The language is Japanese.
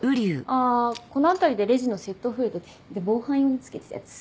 あぁこの辺りでレジの窃盗増えててで防犯用に付けてたやつ。